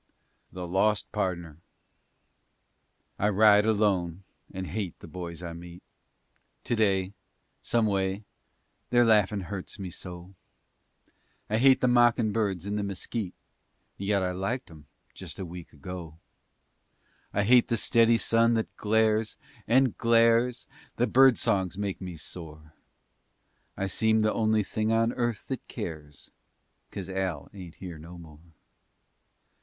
THE LOST PARDNER I ride alone and hate the boys I meet. Today, some way, their laughin' hurts me so. I hate the mockin' birds in the mesquite And yet I liked 'em just a week ago. I hate the steady sun that glares, and glares! The bird songs make me sore. I seem the only thing on earth that cares 'Cause Al ain't here no more!